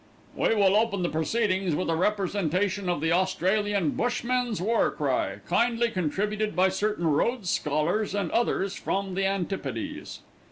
"We will open the proceedings with a representation of the Australian Bushmen's war cry, kindly contributed by certain Rhodes scholars and others from the Antipodes."